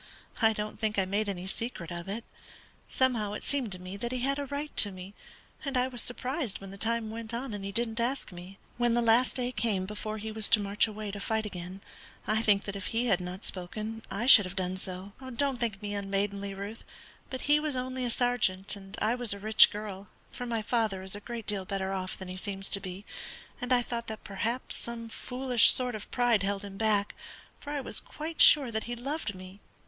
I don't think I made any secret of it. Somehow it seemed to me that he had a right to me, and I was surprised when the time went on and he didn't ask me. When the last day came before he was to march away to fight again, I think that if he had not spoken I should have done so. Do not think me unmaidenly, Ruth, but he was only a sergeant and I was a rich girl, for my father is a great deal better off than he seems to be, and I thought that perhaps some foolish sort of pride held him back, for I was quite sure that he loved me.